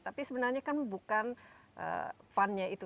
tapi sebenarnya kan bukan fun nya itu